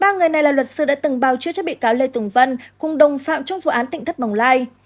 ba người này là luật sư đã từng bào chữa cho bị cáo lê tùng văn cùng đồng phạm trong vụ án tỉnh thất bồng lai